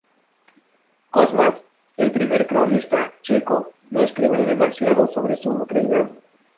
Cosmas, el primer cronista checo, no escribió demasiado sobre su reinado.